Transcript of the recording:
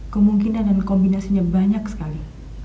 kemungkinan dan kombinasinya banyak sekali